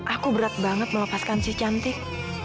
aku berat banget melepaskan si cantik